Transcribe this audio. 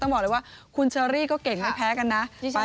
บอกเลยว่าคุณเชอรี่ก็เก่งไม่แพ้กันนะ